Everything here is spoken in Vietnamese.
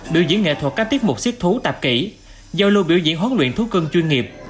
biểu diễn nghệ thuật các tiết mục siết thú tạp kỹ giao lưu biểu diễn huấn luyện thú cưng chuyên nghiệp